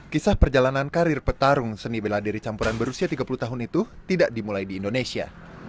kisah perjalanan karir petarung seni bela diri campuran berusia tiga puluh tahun itu tidak dimulai di indonesia